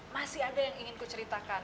masih ada yang ingin ku ceritakan